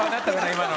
今の。